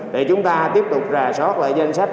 để chúng ta tiếp tục rà soát lại danh sách